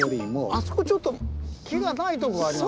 あそこちょっと木がないとこがありますね。